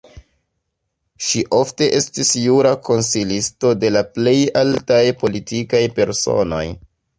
Ŝi ofte estis jura konsilisto de la plej altaj politikaj personoj.